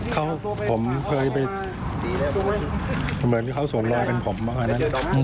เขาผมเคยไปเหมือนเขาสวมรอยเป็นผมมาก่อนนั้น